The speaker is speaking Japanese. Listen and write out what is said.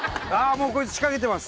もうこいつ仕掛けてます